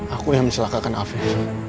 aku yang mencelakakan afif